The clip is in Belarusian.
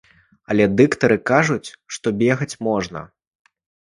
Але дактары кажуць, што бегаць можна.